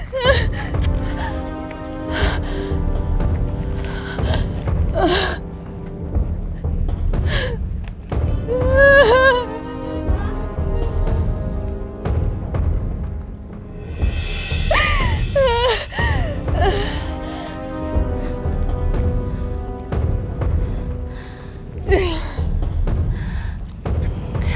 sampai jumpa di penjara